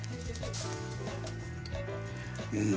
うん。